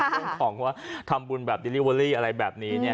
เรื่องของว่าทำบุญแบบอะไรแบบนี้เนี่ย